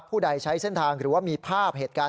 ผู้ใดใช้เส้นทางหรือว่ามีภาพเหตุการณ์